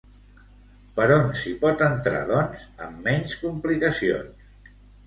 Per on s'hi pot entrar, doncs, amb menys complicacions?